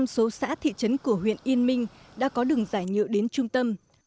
một trăm linh số xã thị trấn của huyện yên minh đã có đường giải nhựa đến trung tâm